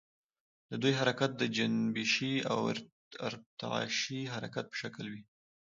د دوی حرکت د جنبشي او ارتعاشي حرکت په شکل وي.